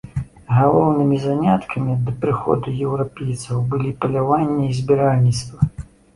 Галоўнымі заняткамі да прыходу еўрапейцаў былі паляванне і збіральніцтва.